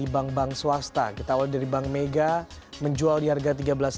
bank bank swasta kita awal dari bank mega menjual di harga tiga belas sembilan ratus lima puluh